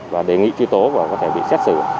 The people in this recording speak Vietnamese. và đề nghị truy tố và có thể bị xét xử